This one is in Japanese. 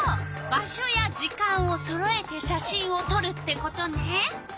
場所や時間をそろえて写真をとるってことね。